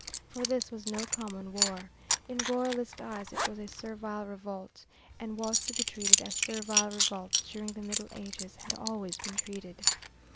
For this was no common war. In Royalist eyes it was a servile revolt, and was to be treated as servile revolts during the Middle Ages had always been treated.